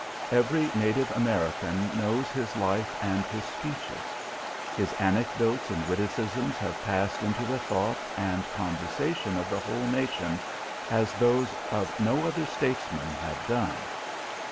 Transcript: Every native American knows his life and his speeches. His anecdotes and witticisms have passed into the thought and the conversation of the whole nation as those of no other statesman have done.